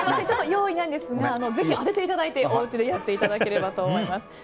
ちょっと用意してないんですがぜひ、当てていただいておうちでやっていただければと思います。